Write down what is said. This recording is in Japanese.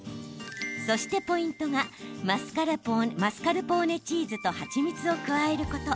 そしてポイントがマスカルポーネチーズと蜂蜜を加えること。